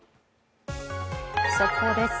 速報です。